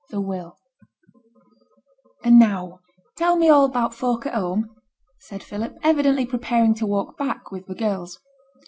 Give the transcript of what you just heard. THE WILL 'And now tell me all about th' folk at home?' said Philip, evidently preparing to walk back with the girls.